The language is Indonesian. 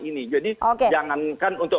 ini jadi jangankan untuk